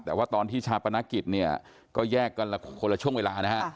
แต่ว่าตอนที่ชาปนกิจเนี่ยก็แยกกันละคนละช่วงเวลานะฮะ